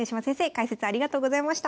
解説ありがとうございました。